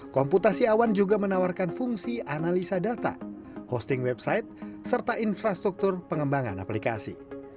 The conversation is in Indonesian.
komputasi awan juga menawarkan fungsi analisa data hosting website serta infrastruktur pengembangan aplikasi